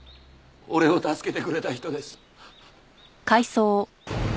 俺を助けてくれた人です。